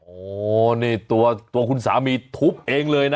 โอ้นี่ตัวคุณสามีทุบเองเลยนะ